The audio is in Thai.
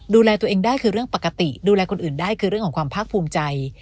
ดูแลตัวเองได้คือเรื่องปกติดูแลคนอื่นได้คือเรื่องของความภาคภูมิใจ